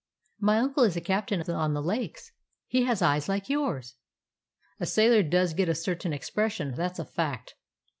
"My uncle is a captain on the Lakes. He has eyes like yours." "A sailor does get a certain expression; that 's a fact.